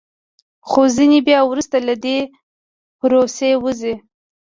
خو ځینې بیا وروسته له دې پروسې وځي